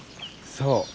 そう。